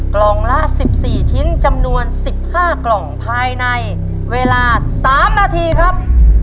กล่องละสิบสี่ชิ้นจำนวนสิบห้ากล่องภายในเวลาสามนาทีครับ